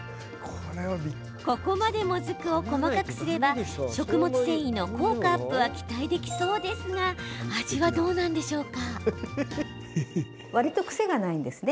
ここまで、もずくを細かくすれば食物繊維の効果アップは期待できそうですが味は、どうなんでしょうか？